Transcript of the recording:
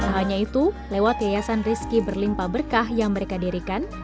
hanya itu lewat yayasan rezeki berlimpah berkah yang mereka dirikan